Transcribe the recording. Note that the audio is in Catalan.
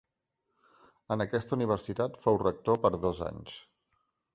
En aquesta universitat fou rector per dos anys.